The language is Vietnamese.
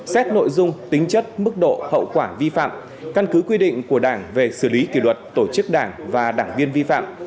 xét nội dung tính chất mức độ hậu quả vi phạm căn cứ quy định của đảng về xử lý kỷ luật tổ chức đảng và đảng viên vi phạm